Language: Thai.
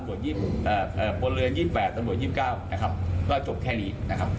มีการโอนเงินจริง